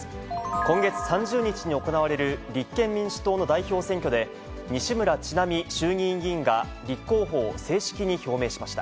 今月３０日に行われる立憲民主党の代表選挙で、西村智奈美衆議院議員が立候補を正式に表明しました。